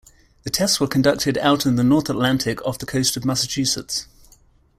The tests were conducted out in the North Atlantic off the coast of Massachusetts.